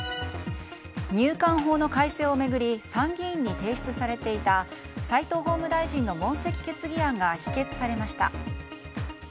入管法の改正を巡り参議院の提出されていた齋藤法務大臣の問責決議案が否決されました。